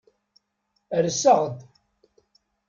Rseɣ-d.